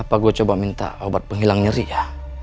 apa gue coba minta obat penghilang nyeri ya